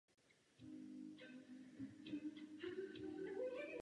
V otázce základních práv nemůžeme přistupovat na kompromisy.